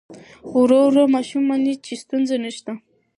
ورو ورو ماشوم مني چې ستونزه نشته.